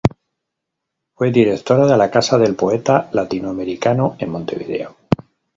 Fue directora de la Casa del Poeta Latinoamericano en Montevideo.